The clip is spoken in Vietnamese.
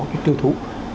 cái tiêu thụ